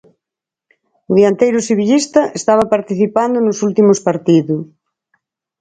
O dianteiro sevillista estaba participando nos últimos partidos.